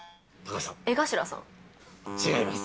違います。